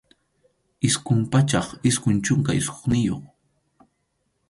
Isqun pachak isqun chunka isqunniyuq.